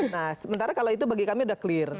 nah sementara kalau itu bagi kami sudah clear